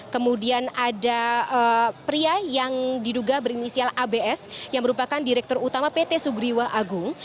kemudian ada pria yang diduga berinisial abs yang merupakan direktur utama pt sugriwa agung